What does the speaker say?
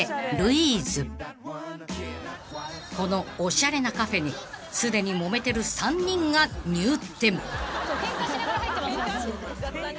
［このおしゃれなカフェにすでにもめてる３人が入店］